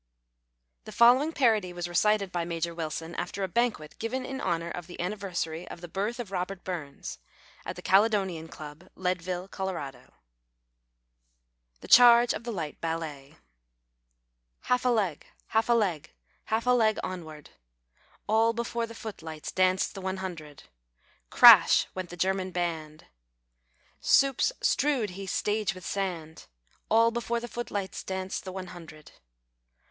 The following parody was recited by Major Wilson after a banquet given in honor of the Anniversary of the Birth of Robert Burns, at the Caledonian Club, Leadville, Colorado :— "The Charge of the Light Ballet." Half a leg, half a leg. Half a leg onward. All before the foot lights Danced the one hundred. Crash went the German band. SUpes strew'd he stage with sand ; All before the foot lights Danced the one hundred.